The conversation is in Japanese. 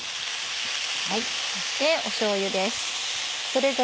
そしてしょうゆです。